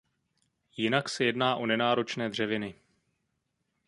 Jinak se jedná o nenáročné dřeviny.